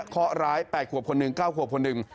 ข้อร้าย๘ขวบคนหนึ่ง๙ขวบคนหนึ่ง